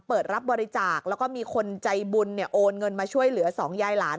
เปิดรับบริจาคแล้วก็มีคนใจบุญโอนเงินมาช่วยเหลือสองยายหลาน